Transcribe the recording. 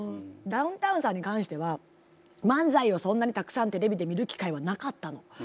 ダウンタウンさんに関しては漫才をそんなにたくさんテレビで見る機会はなかったの。